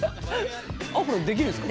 アフロにできるんですか？